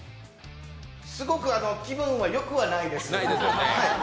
すごく気分はよくはないです。